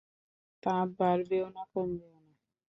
তাপ বাড়বেও না, কমবেও না!